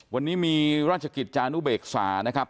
วันนี้มีราชกิจจานุเบกษานะครับ